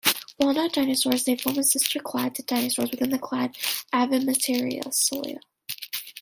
While not dinosaurs, they form a sister clade to dinosaurs within the clade Avemetatarsalia.